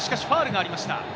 ファウルがありました。